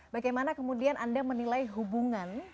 bagaimana kemudian anda menilai hubungan